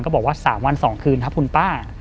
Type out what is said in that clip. บอกว่า๓วัน๒คืนครับคุณป้า